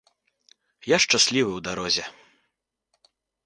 Я шчаслівы ў дарозе.